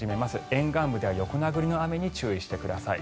沿岸部では横殴りの雨に注意してください。